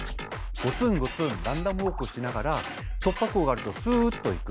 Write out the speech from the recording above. ゴツンゴツンランダムウォークしながら突破口があるとすっと行く。